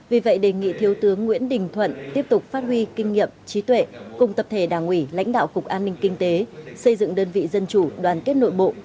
vì vậy đề nghị thiếu tướng nguyễn đình thuận tiếp tục phát huy kinh nghiệm trí tuệ cùng tập thể đảng ủy lãnh đạo cục an ninh kinh tế xây dựng đơn vị dân chủ đoàn kết nội bộ